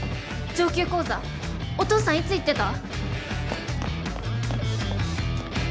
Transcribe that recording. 上級講座お父さんいつ行ってた？